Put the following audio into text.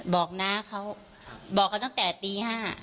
น้าเขาบอกเขาตั้งแต่ตี๕